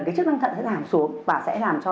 cái chức năng thận sẽ giảm xuống và sẽ làm cho